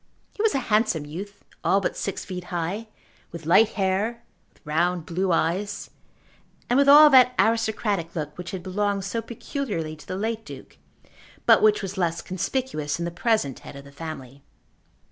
He was a handsome youth, all but six feet high, with light hair, with round blue eyes, and with all that aristocratic look, which had belonged so peculiarly to the late Duke but which was less conspicuous in the present head of the family.